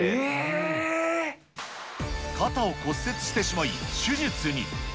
肩を骨折してしまい、手術に。